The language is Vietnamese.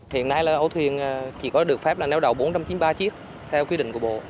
hiện nay là ô thuyền chỉ có được phép là neo đậu bốn trăm chín mươi ba chiếc theo quy định của bộ